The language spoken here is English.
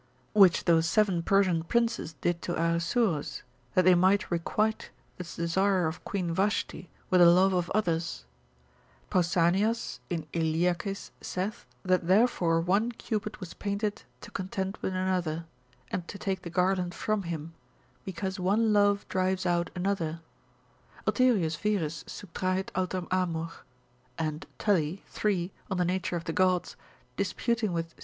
Which those seven Persian princes did to Ahasuerus, that they might requite the desire of Queen Vashti with the love of others. Pausanias in Eliacis saith, that therefore one Cupid was painted to contend with another, and to take the garland from him, because one love drives out another, Alterius vires subtrahit alter amor; and Tully, 3. Nat. Deor. disputing with C.